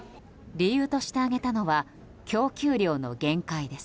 理由として挙げたのは供給量の限界です。